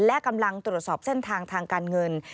และกำลังตรวจสอบเส้นทางทางการเงิน